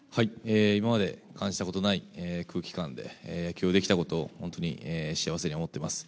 今まで感じたことない空気感で野球ができたことを本当に幸せに思っています。